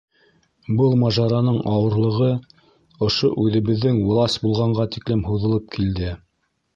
Был мажараның ауырлығы ошо үҙебеҙҙең власть булғанға тиклем һуҙылып килде.